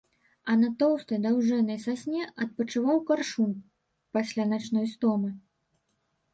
А на тоўстай даўжэзнай сасне адпачываў каршун пасля начной стомы.